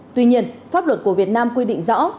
tuy nhiên pháp luật của việt nam quy định rõ